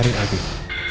bantu saya cari abi